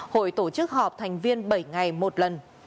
hội tổ chức họp thành viên bảy ngày một lần